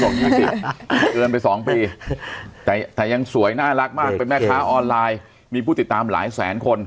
เกินไป๒ปีแต่ยังสวยน่ารักมากเป็นแม่ค้าออนไลน์มีผู้ติดตามหลายแสนคน